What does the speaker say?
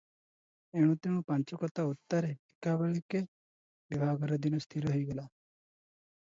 ଏଣୁତେଣୁ ପାଞ୍ଚ କଥା ଉତ୍ତାରେ ଏକାବେଳକେ ବିଭାଘର ଦିନ ସ୍ଥିର ହୋଇଗଲା ।